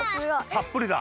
たっぷりだ。